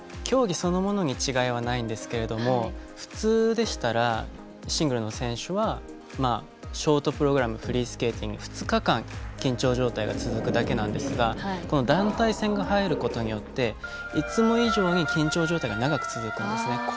競技そのものに違いはないんですが普通でしたら、シングルの選手はショートプログラムフリースケーティングと２日間、緊張状態が続くだけなんですが団体戦が入ることによっていつも以上に緊張状態が長く続くんですね。